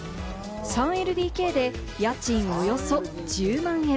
３ＬＤＫで家賃はおよそ１０万円。